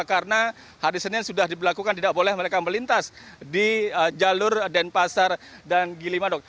karena hari senin sudah dilakukan tidak boleh mereka melintas di jalur denpasar dan gilimanuk